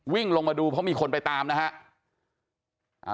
วิ่งลงมาดูเพราะมีคนไปตามนะฮะ